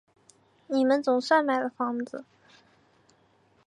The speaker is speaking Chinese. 你们总算买了房子